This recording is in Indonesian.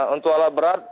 untuk alat berat